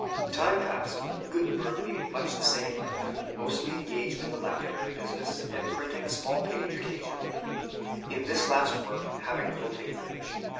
Time passed, Gutenberg leading much the same life, mostly engaged in the lapidary business, and printing a small page occasionally; in this last work having little patronage.